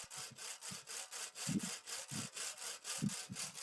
车站颜色是紫色。